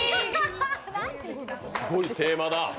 すごいテーマだ！